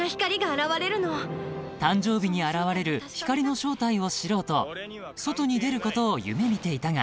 ［誕生日に現れる光の正体を知ろうと外に出ることを夢見ていたが］